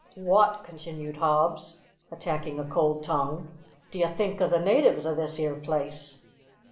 "Wot," continued Hobbs, attacking a cold tongue, "d'you think of the natives of this 'ere place?"